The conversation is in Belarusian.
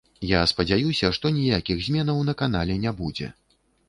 Я спадзяюся, што ніякіх зменаў на канале не будзе.